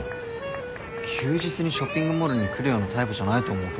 休日にショッピングモールに来るようなタイプじゃないと思うけど。